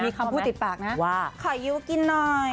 มีคำพูดติดปากนะว่าขอยิ้วกินหน่อย